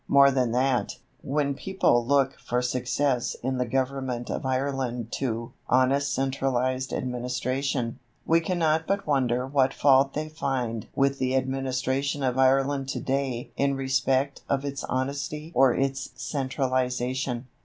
More than that, when people look for success in the government of Ireland to "honest centralized administration," we cannot but wonder what fault they find with the administration of Ireland to day in respect of its honesty or its centralization.